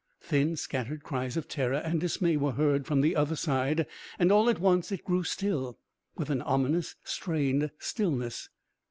Thin scattered cries of terror and dismay were heard from the other side, and all at once it grew still with an ominous strained stillness.